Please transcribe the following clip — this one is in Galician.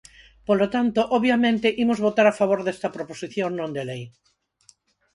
Polo tanto, obviamente imos votar a favor desta proposición non de lei.